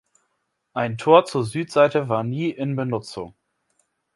Ein Tor zur Südseite war nie in Benutzung.